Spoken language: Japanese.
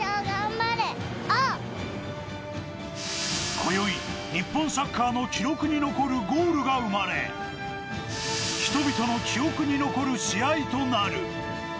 今宵、日本サッカーの記録に残るゴールが生まれ、人々の記憶に残る試合となる。